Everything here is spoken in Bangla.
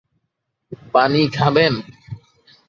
পানি খাবেন?